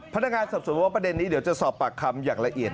พนักงานสอบสวนว่าประเด็นนี้เดี๋ยวจะสอบปากคำอย่างละเอียด